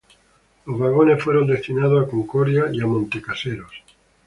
Los vagones fueron destinados a Concordia y a Monte Caseros.